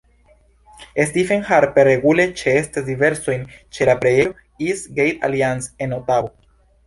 Stephen Harper regule ĉeestas diservojn ĉe la preĝejo East Gate Alliance en Otavo.